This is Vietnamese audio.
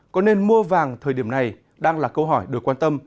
có nên mua vàng thời điểm này đang là câu hỏi được quan tâm